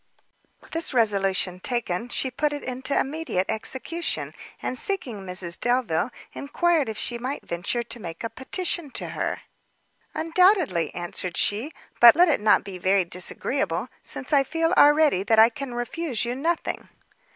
This resolution taken, she put it into immediate execution, and seeking Mrs Delvile, enquired if she might venture to make a petition to her? "Undoubtedly," answered she; "but let it not be very disagreeable, since I feel already that I can refuse you nothing."